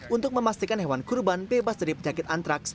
untuk memastikan hewan kurban bebas dari penyakit antraks